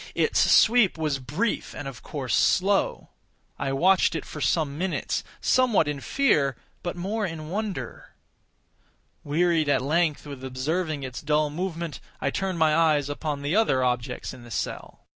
Its sweep was brief, and of course slow. I watched it for some minutes, somewhat in fear, but more in wonder. Wearied at length with observing its dull movement, I turned my eyes upon the other objects in the cell.